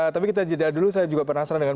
tapi kita jeda dulu saya juga penasaran dengan